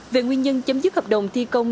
về nguyên nhân chấm dứt hợp đồng thi công